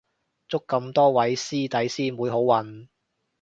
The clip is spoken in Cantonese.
祝咁多位師弟師妹好運